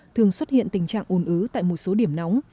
thường xuất hiện tình trạng ồn ứ tại một số điểm nóng